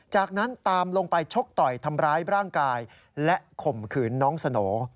จากนั้นตามลงไปชกต่อยทำร้ายร่างกายและข่มขืนน้องสโหน่